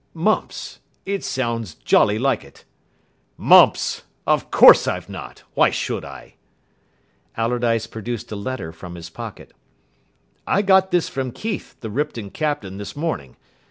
"Mumps. It sounds jolly like it." "Mumps! Of course I've not. Why should I?" Allardyce produced a letter from his pocket. "I got this from Keith, the Ripton captain, this morning.